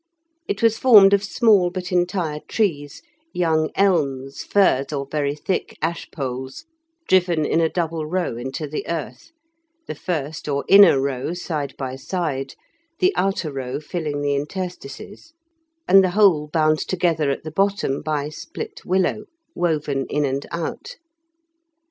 It was formed of small but entire trees, young elms, firs, or very thick ash poles, driven in a double row into the earth, the first or inner row side by side, the outer row filling the interstices, and the whole bound together at the bottom by split willow woven in and out.